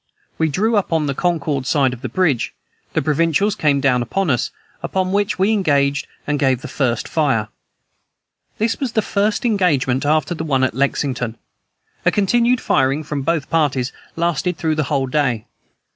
We drew up on the Concord side of the bridge; the provincials came down upon us, upon which we engaged and gave the first fire. This was the first engagement after the one at Lexington. A continued firing from both parties lasted through the whole day.